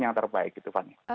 yang terbaik gitu